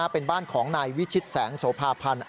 เป็นบ้านของนายวิชิตแสงโสภาพันธ์